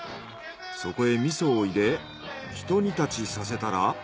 そこへ味噌を入れひと煮立ちさせたら。